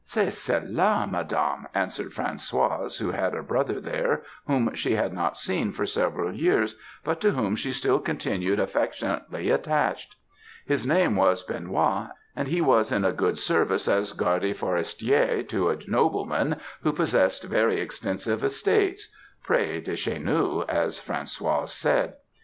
"'C'est cela, Madame,' answered Françoise, who had a brother there whom she had not seen for several years, but to whom she still continued affectionately attached. His name was Benoît, and he was in a good service as garde forestier to a nobleman who possessed very extensive estates, près de chez nous, as Françoise said.